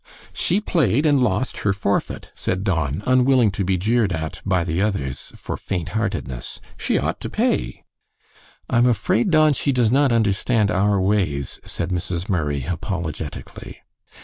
"She played, and lost her forfeit," said Don, unwilling to be jeered at by the others for faint heartedness. "She ought to pay." "I'm afraid, Don, she does not understand our ways," said Mrs. Murray, apologetically.